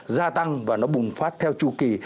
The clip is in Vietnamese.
gia tăng và nó bùng phát theo chu kỳ